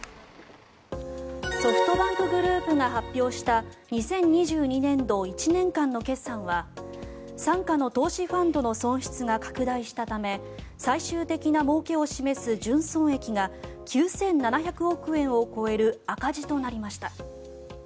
ソフトバンクグループが発表した２０２２年度１年間の決算は傘下の投資ファンドの損失が拡大したため最終的なもうけを示す純損益が９７００億円を超える赤字となりました。